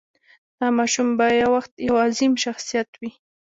دا ماشوم به یو وخت یو عظیم شخصیت وي.